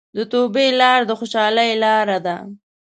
د توبې لار د خوشحالۍ لاره ده.